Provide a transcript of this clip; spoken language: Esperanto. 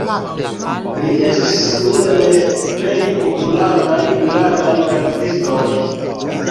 Li estis unu el plej popularaj hungaraj verkistoj.